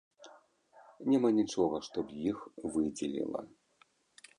Няма нічога, што б іх выдзеліла.